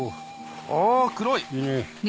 あ黒い。